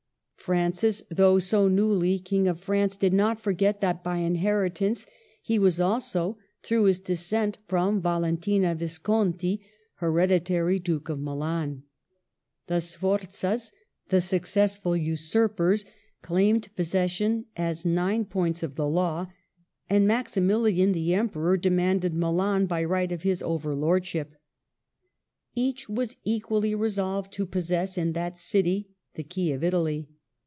Francis, though so newly King of France, did not forget that by inheritance he was also, through his descent from Valentina Visconti, hereditary Duke of Milan. The Sforzas, the successful usurpers, claimed possession as nine points of the law, and Maximilian the Emperor demanded Milan by right of his over lordship. Each was equally resolved to possess in that city the key of Italy.